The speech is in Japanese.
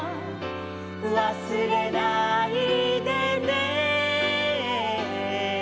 「わすれないでね」